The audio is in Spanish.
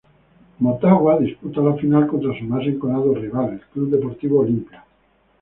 Motagua disputar la final, contra su más enconado rival: El Club Deportivo Olimpia.